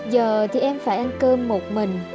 giờ thì em phải ăn cơm một mình